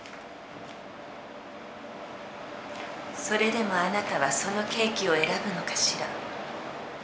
それでもあなたはそのケーキを選ぶのかしら。